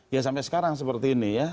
ya sampai sekarang seperti ini ya